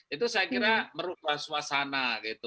itu saya kira merubah suasana gitu